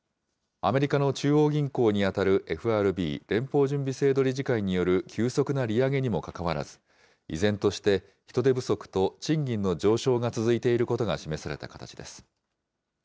アメリカの中央銀行に当たるＦＲＢ・連邦準備制度理事会による急速な利上げにもかかわらず、依然として人手不足と賃金の上昇が続いていることが示された形です。